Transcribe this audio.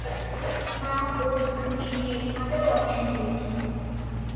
মা, বোন, আন্টি, মেয়ের হাজারও অডিশন দিয়েছি।